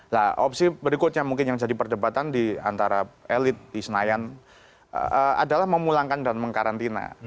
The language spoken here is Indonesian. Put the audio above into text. nah opsi berikutnya mungkin yang jadi perdebatan di antara elit di senayan adalah memulangkan dan mengkarantina